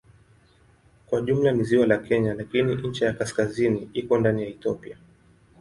Kwa jumla ni ziwa la Kenya lakini ncha ya kaskazini iko ndani ya Ethiopia.